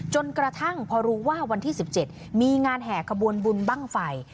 จนกระทั่งพอรู้ว่าวันที่๑๗มีงานแห่ขบวนบุญบ้างไฟ